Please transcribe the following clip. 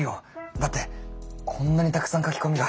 だってこんなにたくさん書き込みが。